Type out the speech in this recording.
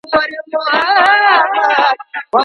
څه وخت ملي سوداګر غوړي هیواد ته راوړي؟